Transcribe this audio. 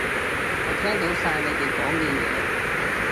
我聽到晒你哋講嘅嘢